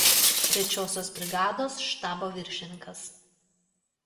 Trečiosios brigados štabo viršininkas.